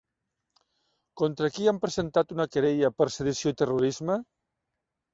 Contra qui han presentat una querella per sedició i terrorisme?